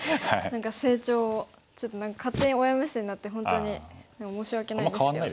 成長をちょっと何か勝手に親目線になって本当に申し訳ないですけど。